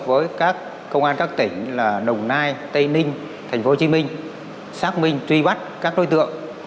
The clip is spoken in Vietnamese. với các công an các tỉnh là đồng nai tây ninh thành phố hồ chí minh xác minh truy bắt các đối tượng